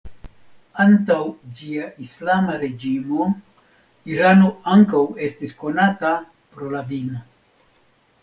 Antaŭ ĝia islama reĝimo, Irano ankaŭ estis konata pro la vino.